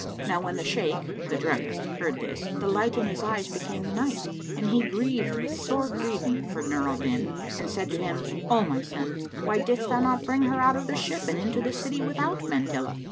Now when the Shaykh, the druggist, heard this, the light in his eyes became night and he grieved with sore grieving for Nur al Din and said to him, "O my son, why didst thou not bring her out of the ship into the city without mantilla?